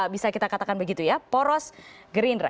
bisa kita katakan begitu ya poros gerindra